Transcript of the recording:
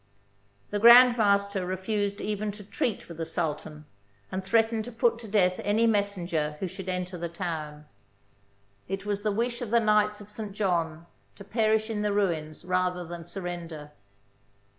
The Grand Master refused even to treat with the Sultan, and threatened to put to death any mes senger who should enter the town. It was the wish of the Knights of St. John to perish in the ruins rather than surrender.